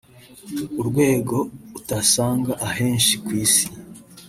urwego utasanga ahenshi ku isi